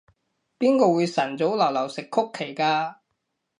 邊個會晨早流流食曲奇㗎？